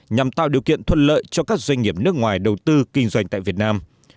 nhằm tạo điều kiện thuận lợi cho các doanh nghiệp nước ngoài đầu tư kinh doanh tại việt nam